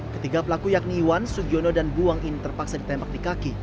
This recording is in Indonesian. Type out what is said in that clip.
ketiga pelaku yakni iwan sugiono dan buang ini terpaksa ditembak di kaki